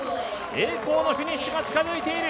栄光のフィニッシュが近づいている。